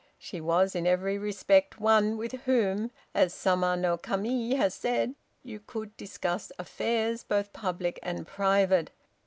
She was in every respect one with whom, as Sama no Kami has said, you could discuss affairs, both public and private.